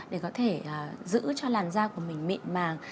để có thể giữ cho làn da của mình mịn màng